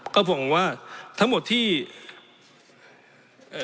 ก็หวังว่าทั้งหมดที่กระทรวงดีต้อน